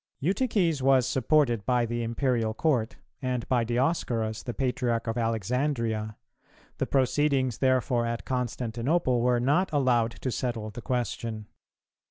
Eutyches was supported by the Imperial Court, and by Dioscorus the Patriarch of Alexandria; the proceedings therefore at Constantinople were not allowed to settle the question.